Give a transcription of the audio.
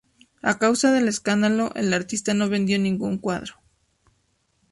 A causa del escándalo, el artista no vendió ningún cuadro.